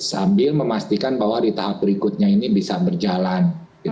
sambil memastikan bahwa di tahap berikutnya ini bisa berjalan